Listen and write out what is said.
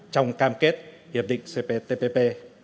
trong cam kết hiệp định cptpp